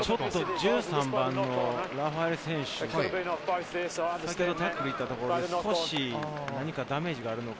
１３番のラファエレ選手、先ほどタックルいったところでダメージがあるのか。